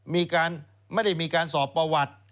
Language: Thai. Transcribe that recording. ไม่ได้มีการสอบประวัติ